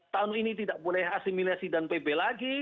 tahun ini tidak boleh asimilasi dan pb lagi